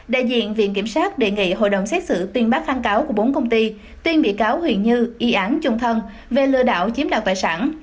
đại diện viện kiểm sát đề nghị hội đồng xét xử tuyên bác kháng cáo của bốn công ty tuyên bị cáo huỳnh như y án chung thân về lừa đảo chiếm đoạt tài sản